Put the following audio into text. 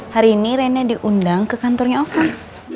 hari ini rena diundang ke kantornya ovan